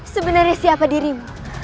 sebenarnya siapa dirimu